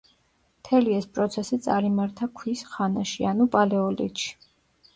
მთელი ეს პროცესი წარიმართა ქვის ხანაში ანუ პალეოლითში.